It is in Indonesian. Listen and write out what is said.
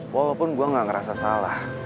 walaupun gue gak ngerasa salah